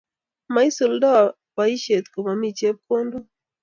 Maisuldo boishet komomii chepkondok